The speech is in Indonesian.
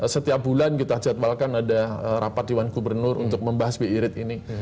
setiap bulan kita jadwalkan ada rapat dewan gubernur untuk membahas bi rate ini